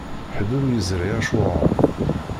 Ḥedd ur yeẓri acuɣer.